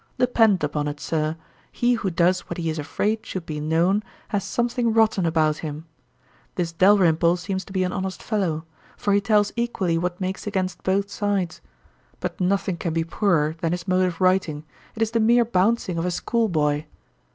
Depend upon it, Sir, he who does what he is afraid should be known, has something rotten about him. This Dalrymple seems to be an honest fellow; for he tells equally what makes against both sides. But nothing can be poorer than his mode of writing, it is the mere bouncing of a school boy.